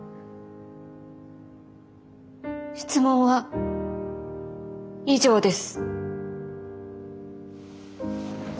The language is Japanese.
質問は以上です。